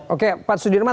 oke pak sudirman